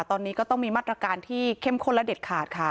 ตอนนี้ก็ต้องมีมาตรการที่เข้มข้นและเด็ดขาดค่ะ